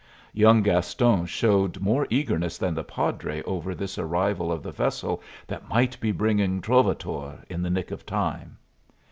Young Gaston showed more eagerness than the padre over this arrival of the vessel that might be bringing "Trovatore" in the nick of time.